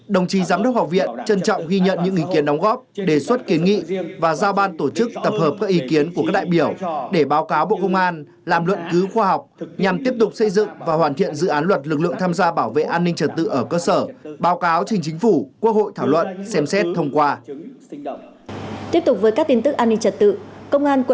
đồng chí giám đốc học viện trân trọng ghi nhận những ý kiến đóng góp đề xuất kiến nghị và giao ban tổ chức tập hợp các ý kiến của các đại biểu để báo cáo bộ công an làm luận cứu khoa học nhằm tiếp tục xây dựng và hoàn thiện dự án luật lực lượng tham gia bảo vệ an ninh trật tự ở cơ sở báo cáo trên chính phủ quốc hội thảo luận xem xét thông qua